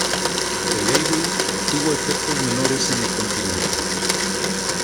El Able tuvo efectos menores en el continente.